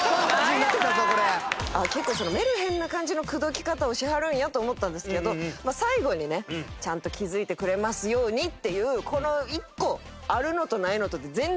結構メルヘンな感じの口説き方をしはるんやと思ったんですけど最後にねちゃんと気づいてくれますようにっていうこの一個あるのとないのとで全然違うから。